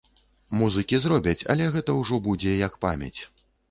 Музыкі зробяць, але гэта ўжо будзе як памяць.